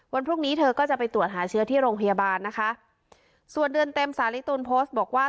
วันพรุ่งนี้เธอก็จะไปตรวจหาเชื้อที่โรงพยาบาลนะคะส่วนเดือนเต็มสาลิตูนโพสต์บอกว่า